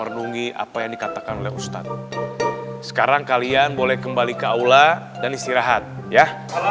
apa yang dikatakan oleh ustadz sekarang kalian boleh kembali ke aula dan istirahat ya